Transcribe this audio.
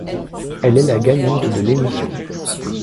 Elle est la gagnante de l'émission.